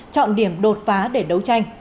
chọn điểm đột phá để đấu tranh